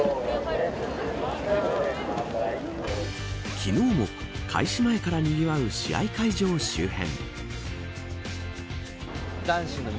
昨日も開始前からにぎわう試合会場周辺。